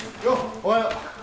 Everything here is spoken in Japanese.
おはよう。